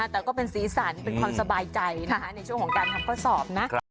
แต่ก็เป็นสีสันเป็นความสบายใจนะคะในช่วงของการทำข้อสอบนะ